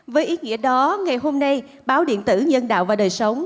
với ý nghĩa đó ngày hôm nay báo điện tử nhân đạo và đời sống